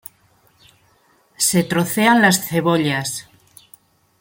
Se trocean las cebollas.